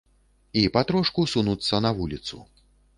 І патрошку сунуцца на вуліцу.